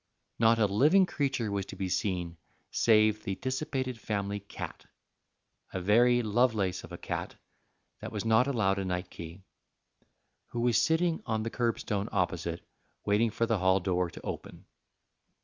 Not a living creature was to be seen save the dissipated family cat a very Lovelace of a cat that was not allowed a night key who was sitting on the curbstone opposite, waiting for the hall door to open.